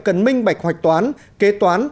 cần minh bạch hoạch toán kế toán